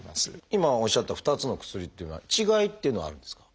今おっしゃった２つの薬っていうのは違いっていうのはあるんですか？